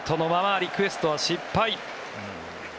リクエストは失敗。